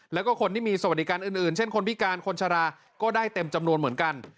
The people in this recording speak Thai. แล้วก็คนที่มีสวัสดิการอื่นเช่นคนพิการคนชะลาก็ได้เต็มจำนวนเหมือนกัน